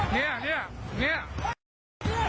เนี่ยเนี่ย